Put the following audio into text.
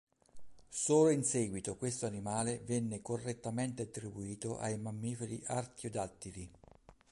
Solo in seguito questo animale venne correttamente attribuito ai mammiferi artiodattili.